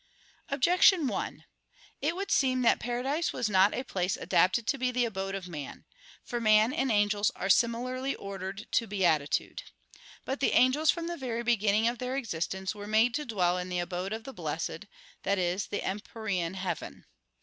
Objection 1: It would seem that paradise was not a place adapted to be the abode of man. For man and angels are similarly ordered to beatitude. But the angels from the very beginning of their existence were made to dwell in the abode of the blessed that is, the empyrean heaven.